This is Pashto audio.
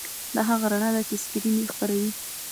دا هغه رڼا ده چې سکرین یې خپروي.